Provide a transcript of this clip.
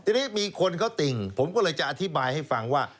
ทีนี้มีคนเขาติ่งผมก็เลยจะอธิบายให้ฟังว่า